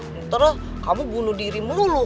ntar kamu bunuh diri mulu